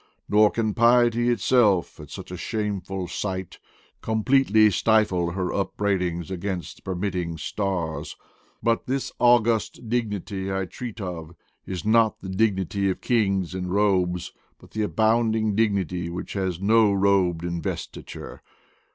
Nor can piety itself, at such a shameful sight, completely stifle her upbraidings against the permitting stars. But this august dignity I treat of, is not the dignity of kings and robes, but the abounding dignity which has no robed investiture.